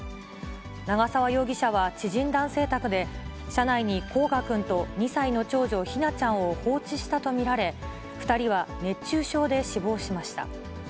長沢容疑者は知人男性宅で、車内に煌翔くんと２歳の長女、姫梛ちゃんを放置したと見られ、２人は熱中症で死亡しました。